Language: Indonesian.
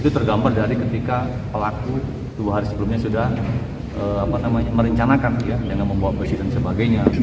itu tergambar dari ketika pelaku dua hari sebelumnya sudah merencanakan dengan membawa besi dan sebagainya